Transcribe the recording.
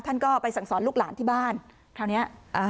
ท่านก็ไปสั่งสอนลูกหลานที่บ้านคราวเนี้ยอ่า